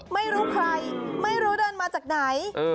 ไม่รู้ใครไม่รู้เดินมาจากไหน